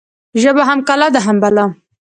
ژبه هم کلا ده هم بلا.